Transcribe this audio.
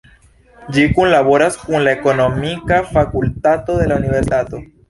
Ĝi kunlaboras kun la ekonomika fakultato de la universitato.